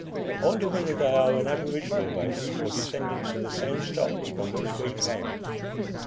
I wonder whether they are an aboriginal race, or descendants of the same stock from which we came?"